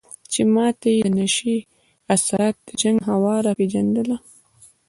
چې ما ته يې د نشې اثر د جنت هوا راپېژندله.